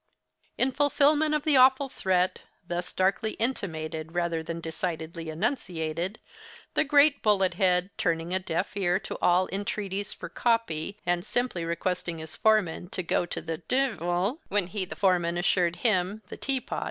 In fulfilment of the awful threat thus darkly intimated rather than decidedly enunciated, the great Bullet head, turning a deaf ear to all entreaties for 'copy,' and simply requesting his foreman to 'go to the d——l,' when he (the foreman) assured him (the 'Tea Pot'!)